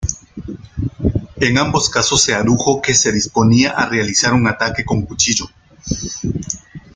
En ambos casos se adujo que se disponían a realizar un ataque con cuchillo.